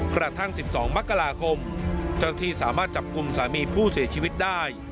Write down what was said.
กระทั่ง๑๒มกราคมเจ้าที่สามารถจับกลุ่มสามีผู้เสียชีวิตได้